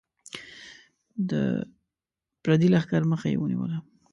د پردي لښکر مخه یې ونیوله.